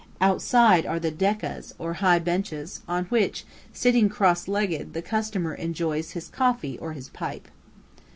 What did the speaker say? Outside are the "dekkas," or high benches, on which, sitting cross legged, the customer enjoys his coffee or his pipe.